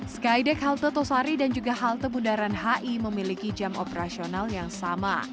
skydeck halte tosari dan juga halte bundaran hi memiliki jam operasional yang sama